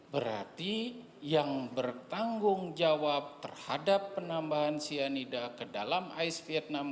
berarti yang bertanggung jawab terhadap penambahan cyanida ke dalam ais vietnam